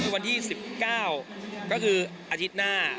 คือวันที่๑๙ก็คืออาทิตย์หน้า